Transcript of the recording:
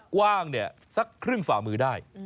กว้างสักครึ่งฝ่ามือได้